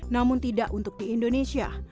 namun tidak untuk di indonesia